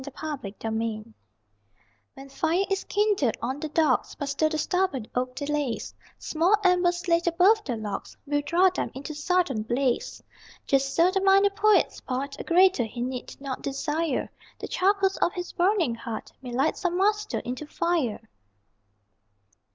THE POET ON THE HEARTH When fire is kindled on the dogs, But still the stubborn oak delays, Small embers laid above the logs Will draw them into sudden blaze. Just so the minor poet's part: (A greater he need not desire) The charcoals of his burning heart May light some Master into fire!